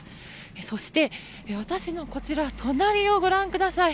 そして、私の隣をご覧ください。